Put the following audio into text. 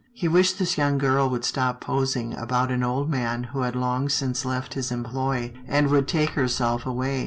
He wished this young girl would stop prosing about an old man who had long since left his employ, and would take herself away.